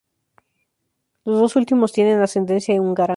Los dos últimos tienen ascendencia húngara.